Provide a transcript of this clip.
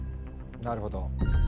なるほど。